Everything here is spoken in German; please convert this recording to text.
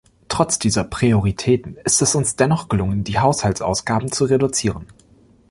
Trotz dieser Prioritäten ist es uns dennoch gelungen, die Haushaltsausgaben zu reduzieren.